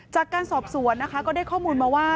จากการสอบสวนนะคะก็ได้ข้อมูลมาว่า